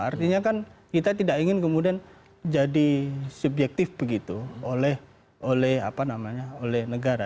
artinya kan kita tidak ingin kemudian jadi subjektif begitu oleh negara